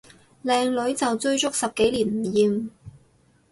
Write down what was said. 靚女就追足十幾年唔厭